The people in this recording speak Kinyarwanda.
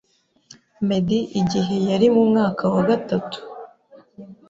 Meddy igihe yari mu mwaka wa gatatu